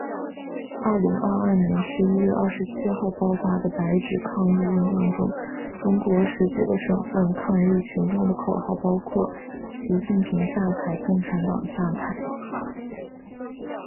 二零二二年十一月二十七号爆发的白纸抗议运动中，中国十几个省份抗议群众的口号包括“习近平下台，共产党下台”